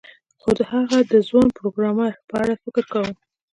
خو هغه د ځوان پروګرامر په اړه فکر کاوه